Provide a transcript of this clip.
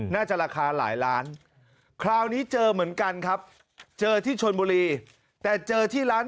น่าจะราคาหลายล้านคราวนี้เจอเหมือนกันครับเจอที่ชนบุรีแต่เจอที่ร้าน